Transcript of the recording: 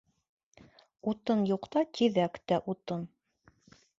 Утын юҡта тиҙәк тә утын.